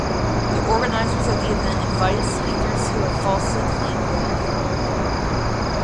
The organizers of the event invited speakers who have falsely claimed voter fraud.